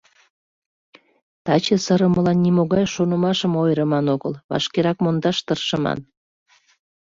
Таче сырымылан нимогай шонымашым ойырыман огыл, вашкерак мондаш тыршыман.